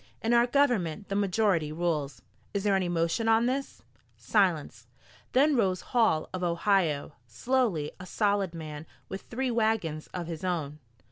"In our government the majority rules. Is there any motion on this?" Silence. Then rose Hall of Ohio, slowly, a solid man, with three wagons of his own.